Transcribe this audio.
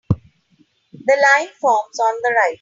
The line forms on the right.